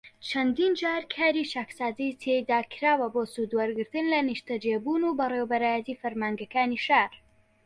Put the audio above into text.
چەندین جار کاری چاکسازیی تیادا کراوە بۆ سوودوەرگرتن لە نیشتەجێبوون و بەڕێوبەرایەتیی فەرمانگەکانی شار